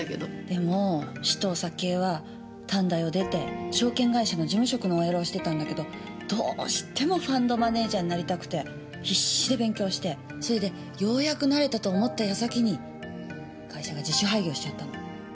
でも紫藤咲江は短大を出て証券会社の事務職のＯＬをしてたんだけどどうしてもファンドマネージャーになりたくて必死で勉強してそれでようやくなれたと思った矢先に会社が自主廃業しちゃったの。